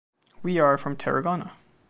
We are from Tarragona.